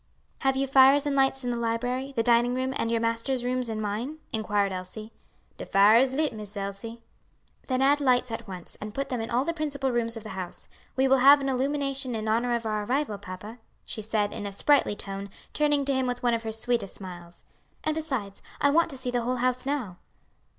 "Have you fires and lights in the library, the dining room, and your master's rooms and mine?" inquired Elsie. "De fires is lit, Miss Elsie." "Then add the lights at once, and put them in all the principal rooms of the house. We will have an illumination in honor of our arrival, papa," she said, in a sprightly tone, turning to him with one of her sweetest smiles, "and besides, I want to see the whole house now."